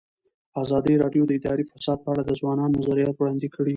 ازادي راډیو د اداري فساد په اړه د ځوانانو نظریات وړاندې کړي.